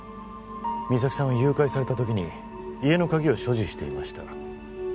実咲さんは誘拐された時に家の鍵を所持していました